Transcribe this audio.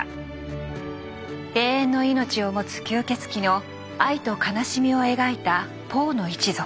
永遠の命を持つ吸血鬼の愛と悲しみを描いた「ポーの一族」。